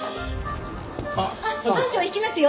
あっ班長行きますよ。